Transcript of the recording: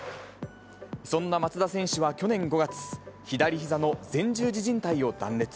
そんな松田選手は去年５月、左ひざの前十字じん帯を断裂。